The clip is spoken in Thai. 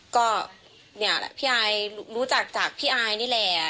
ก็เนี่ยแหละพี่อายรู้จักจากพี่อายนี่แหละ